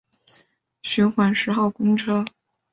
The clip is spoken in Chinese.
循环十号公车